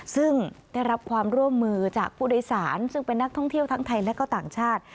ซึ่งได้รับความร่วมมือจากผู้โดยสารซึ่งเป็นนักท่องเที่ยวทั้งไทยและก็ต่างชาติ